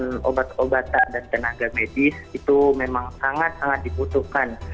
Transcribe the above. dan obat obatan dan tenaga medis itu memang sangat sangat dibutuhkan